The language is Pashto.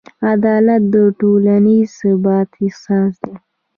عدالت د ټولنیز ثبات اساس دی.